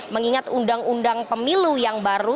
mengingat undang undang pemilu yang baru